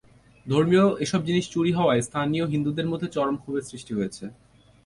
ধর্মীয় এসব জিনিস চুরি হওয়ায় স্থানীয় হিন্দুদের মধ্যে চরম ক্ষোভের সৃষ্টি হয়েছে।